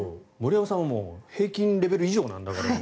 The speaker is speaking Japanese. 森山さんは平均レベル以上なんだから。